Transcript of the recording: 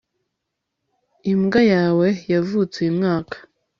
Imbwa yawe yavutse uyu mwaka